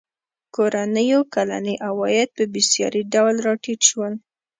کورنیو کلني عواید په بېساري ډول راټیټ شول.